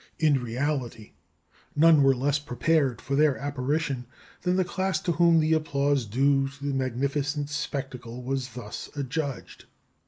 _" In reality, none were less prepared for their apparition than the class to whom the applause due to the magnificent spectacle was thus adjudged.